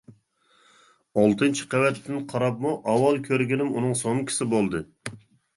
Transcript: ئالتىنچى قەۋەتتىن قاراپمۇ، ئاۋۋال كۆرگىنىم ئۇنىڭ سومكىسى بولدى.